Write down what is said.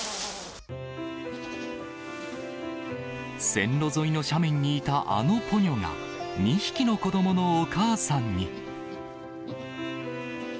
線路沿いの斜面にいたあのポニョが、２匹の子どものお母さんに。